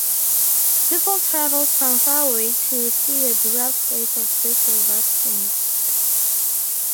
People travelled from far away to see the burial place of this revered saint.